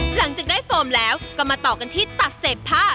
หลังจากได้โฟมแล้วก็มาต่อกันที่ตัดเศษผ้า